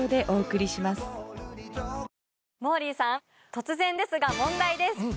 突然ですが問題です。